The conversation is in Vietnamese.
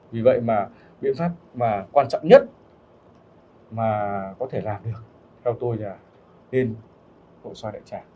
vì vậy mà biện pháp mà quan trọng nhất mà có thể làm được theo tôi là nên bộ xoay đại trạng